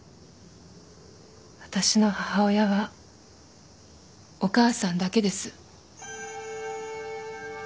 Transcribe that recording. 私の母親はお母さんだけです。